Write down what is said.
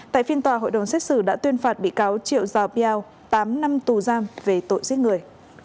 tại phiên tòa hội đồng xét xử đã tuyên phạt bị cáo triệu giò piao tám năm tù giam về tội giết người